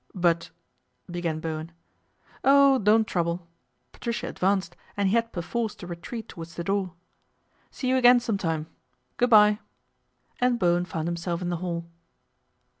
" But " began Bowen. " Oh ! don't trouble." Patricia advanced, and he had perforce to retreat towards the door. " See you again sometime. Good bye," and Bowen found himself in the hall.